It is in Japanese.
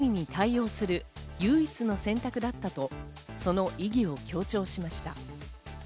軍事作戦はロシアへの脅威に対応する唯一の選択だったと、その意義を強調しました。